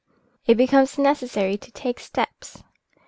It becomes necessary to take steps.